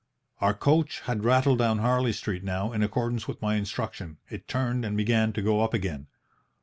"Our coach had rattled down Harley Street now, in accordance with my instruction, it turned and began to go up again.